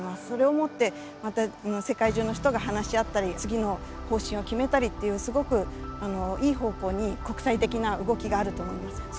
それをもってまた世界中の人が話し合ったり次の方針を決めたりっていうすごくいい方向に国際的な動きがあると思います。